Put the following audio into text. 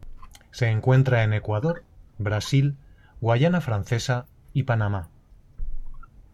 Se encuentra en Ecuador, Brasil, Guayana Francesa y Panamá.